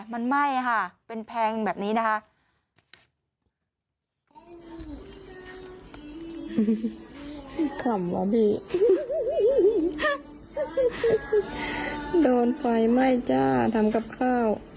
มันไหม้ค่ะเป็นแพงแบบนี้นะคะ